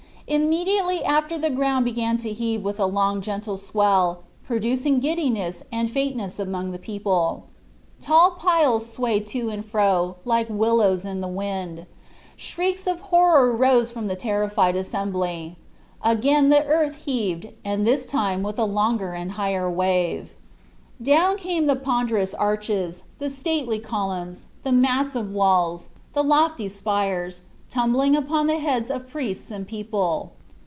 Immediately after the ground began to heave with a long and gentle swell, producing giddiness and faintness among the people. The tall piles swayed to and fro, like willows in the wind. Shrieks of horror rose from the terrified assembly. Again the earth heaved, and this time with a longer and higher wave. Down came the ponderous arches, the stately columns, the massive walls, the lofty spires, tumbling upon the heads of priests and people.